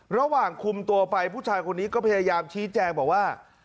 ระหว่างคุมตัวไปผู้ชายคนนี้ก็พยายามชี้แจงบอกว่า